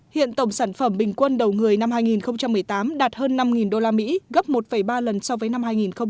hiện tổng sản phẩm bình quân đầu người năm hai nghìn một mươi tám đạt hơn năm usd gấp một ba lần so với năm hai nghìn một mươi bảy